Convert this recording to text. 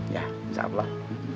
ya insya allah